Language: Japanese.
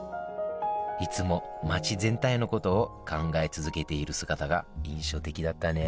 いつも街全体のことを考え続けている姿が印象的だったね